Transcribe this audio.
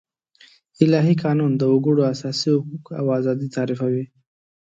الهي قانون د وګړو اساسي حقوق او آزادي تعريفوي.